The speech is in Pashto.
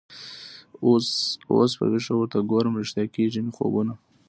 اوس په ویښه ورته ګورم ریشتیا کیږي مي خوبونه